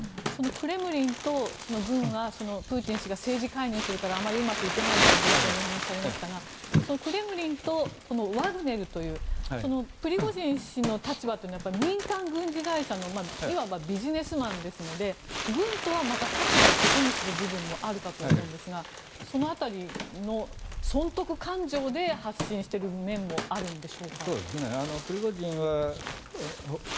クレムリンと軍はプーチン氏が政治介入するからあまりうまくいってないと冒頭にお話しされましたがクレムリンとワグネルというプリゴジン氏の立場というのは民間軍事会社のいわばビジネスマンですので軍とはまた立場を異にする部分もあるかと思うんですがその辺りの損得勘定で発信している面もあるんでしょうか。